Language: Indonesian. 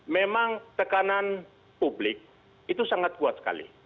memang tekanan publik itu sangat kuat sekali